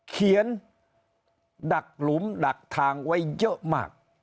ดักหลุมดักทางไว้เยอะมาก